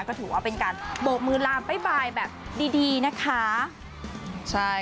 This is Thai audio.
ก็ถือว่าเป็นการโบกมือลามบ๊ายบายแบบดีดีนะคะใช่